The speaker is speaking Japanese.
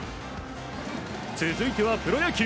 続いては、プロ野球。